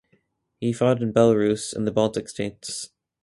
He fought in Belarus and the Baltic States.